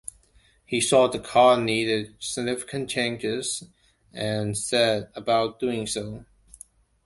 He saw the car needed significant changes, and set about doing so.